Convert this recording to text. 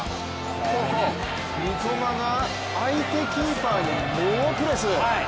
ここ、三笘が相手キーパーに猛プレス。